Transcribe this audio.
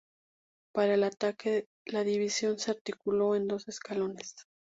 Para el ataque la división se articuló en dos escalones.